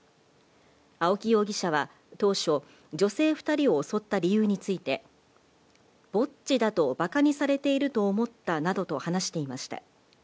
青木容疑者は当初、女性２人を襲った理由について、ぼっちだとばかにされていると思ったなどと話していました。